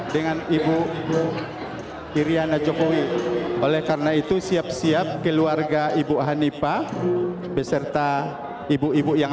dengan ibu iryana jokowi oleh karena itu siap siap keluarga ibu hanifah beserta ibu ibu yang